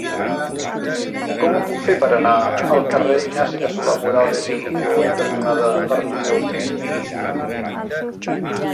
Com ho puc fer per anar al carrer Ignasi de Solà-Morales i Rubió cantonada Bartomeu Pi?